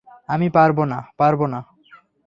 আমি পারবো না, পারবো না।